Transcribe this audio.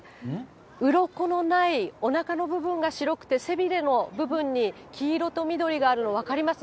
うろこのない、おなかの部分が白くて背びれの部分に黄色と緑があるの、分かります？